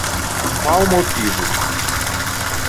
Qual o motivo?